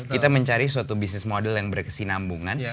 kita mencari suatu bisnis model yang berkesinambungan